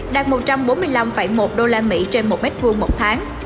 đạt một trăm bốn mươi năm một usd trên một m hai một tháng